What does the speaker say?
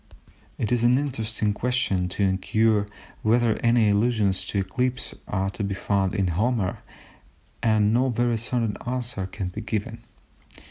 It is an interesting question to inquire whether any allusions to eclipses are to be found in Homer, and no very certain answer can be given.